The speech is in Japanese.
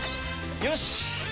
よし！